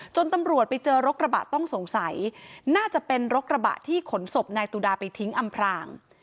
ตำรวจไปเจอรถกระบะต้องสงสัยน่าจะเป็นรถกระบะที่ขนศพนายตุดาไปทิ้งอำพราง